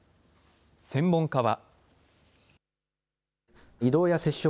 専門家は。